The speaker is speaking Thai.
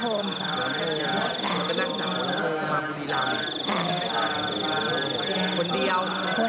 คนเดียว